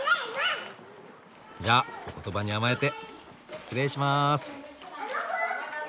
じゃお言葉に甘えて失礼します。